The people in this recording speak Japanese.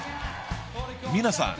［皆さん。